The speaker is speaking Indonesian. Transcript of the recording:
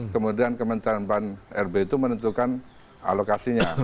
kemudian kementerian pan rb itu menentukan alokasinya